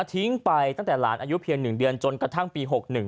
ทิ้งไปตั้งแต่หลานอายุเพียง๑เดือนจนกระทั่งปี๖๑